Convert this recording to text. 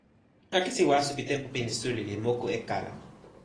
akesi waso pi tenpo pini suli li moku e kala.